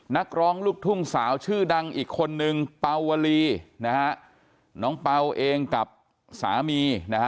นักร้องลูกทุ่งสาวชื่อดังอีกคนนึงเป่าวลีนะฮะน้องเปล่าเองกับสามีนะฮะ